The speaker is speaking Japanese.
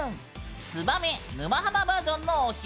「ツバメ沼ハマバージョン」のお披露目だよ。